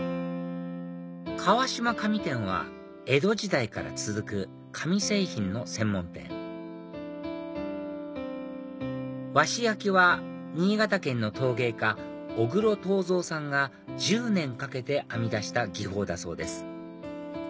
川島紙店は江戸時代から続く紙製品の専門店和紙焼は新潟県の陶芸家小黒陶三さんが１０年かけて編み出した技法だそうです